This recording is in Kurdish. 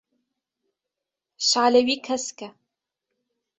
şalê wî kesk e.